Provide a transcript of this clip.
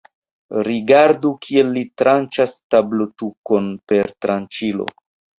Rigardu, kiel li tranĉas tablotukon per tranĉilo!